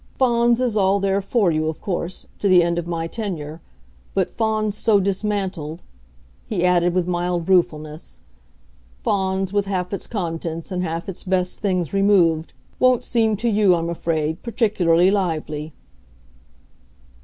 "Fawns is all there for you, of course to the end of my tenure. But Fawns so dismantled," he added with mild ruefulness, "Fawns with half its contents, and half its best things, removed, won't seem to you, I'm afraid, particularly lively."